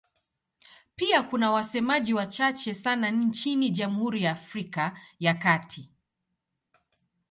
Pia kuna wasemaji wachache sana nchini Jamhuri ya Afrika ya Kati.